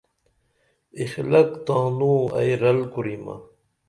اخلق تانوں ائی رل کوریمہ